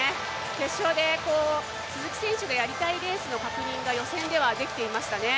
決勝で、鈴木選手がやりたいレースの確認が予選ではできていましたね。